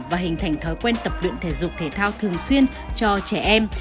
và hình thành thói quen tập luyện thể dục thể thao thường xuyên cho trẻ em